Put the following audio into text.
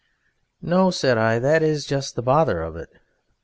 "No," said I, "that is just the bother of it.